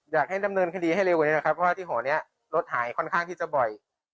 อยากให้ดำเนินคดีให้เร็วกว่านี้นะครับเพราะว่าที่หอนี้รถหายค่อนข้างที่จะบ่อย